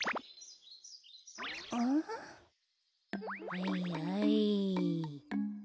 はいはい。